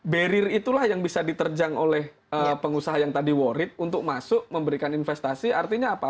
barrier itulah yang bisa diterjang oleh pengusaha yang tadi warrit untuk masuk memberikan investasi artinya apa